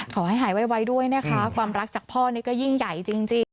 ขอให้หายไวด้วยนะคะความรักจากพ่อนี่ก็ยิ่งใหญ่จริง